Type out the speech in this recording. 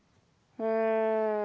うん。